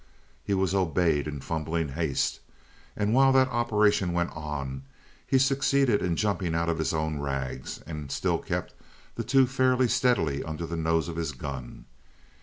He was obeyed in fumbling haste, and while that operation went on, he succeeded in jumping out of his own rags and still kept the two fairly steadily under the nose of his gun.